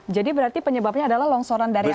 jadi berarti penyebabnya adalah longsoran dari atas